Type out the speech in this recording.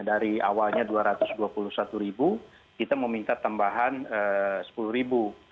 dari awalnya dua ratus dua puluh satu ribu kita meminta tambahan sepuluh ribu